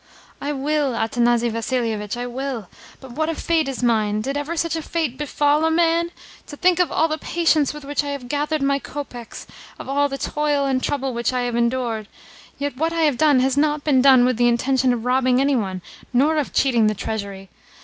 "I will, Athanasi Vassilievitch, I will. But what a fate is mine! Did ever such a fate befall a man? To think of all the patience with which I have gathered my kopecks, of all the toil and trouble which I have endured! Yet what I have done has not been done with the intention of robbing any one, nor of cheating the Treasury.